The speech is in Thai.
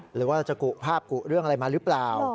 หรือว่าจะกุภาพกุเรื่องอะไรมาหรือเปล่า